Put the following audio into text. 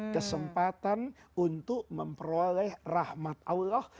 kesempatan untuk memperoleh rahmat allah